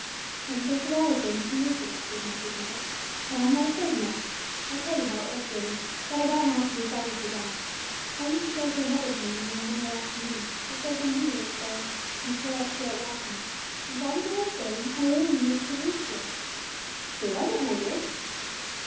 'And so should I have been, two years ago,' said Poppy's mother; 'but I'm not afraid now. I'll tell you how it was, granny, that I got not to be frightened to die. I used to go to a Mothers' Meeting of a Monday afternoon, before John Henry went away, and before I had to go out washing, and while we did our sewing a lady used to read to us.' 'Who was it, my dear?'